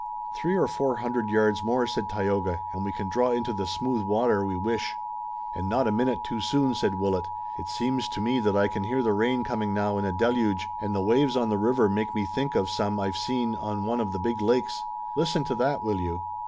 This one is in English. "Three or four hundred yards more," said Tayoga, "and we can draw into the smooth water we wish." "And not a minute too soon," said Willet. "It seems to me I can hear the rain coming now in a deluge, and the waves on the river make me think of some I've seen on one of the big lakes. Listen to that, will you!"